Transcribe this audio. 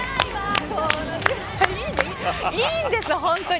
いいんですよ、本当に。